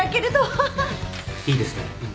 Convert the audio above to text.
いいですね。